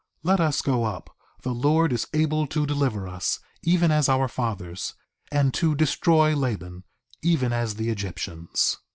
Let us go up; the Lord is able to deliver us, even as our fathers, and to destroy Laban, even as the Egyptians.